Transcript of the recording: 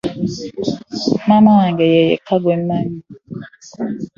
Maama wange ye yekka gwe mmanyi.